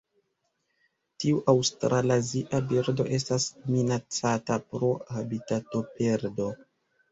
Tiu aŭstralazia birdo estas minacata pro habitatoperdo.